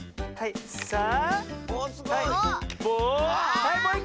はいもういっこ！